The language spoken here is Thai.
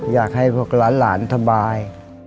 อยากให้พวกหลานสบาย